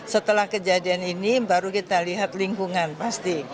setelah kejadian ini baru kita lihat lingkungan pasti